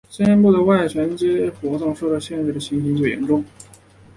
肩部的外旋活动受到限制的情形最严重。